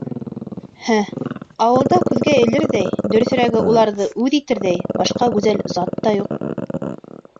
Һе, ауылда күҙгә элерҙәй, дөрөҫөрәге, уларҙы үҙ итерҙәй башҡа гүзәл зат та юҡ.